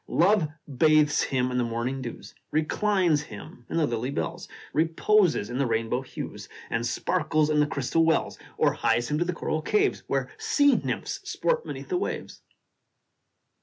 Love bathes him in the morning dews, Reclines him in the lily bells, Reposes in the rainbow hues, And sparkles in the crystal wells, Or hies him to the coral caves, Where sea nymphs sport beneath the waves.